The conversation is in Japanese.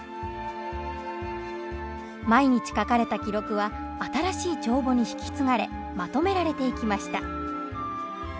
毎日書かれた記録は新しい帳簿に引き継がれまとめられていきました。